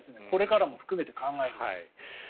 これからも含めて考えると。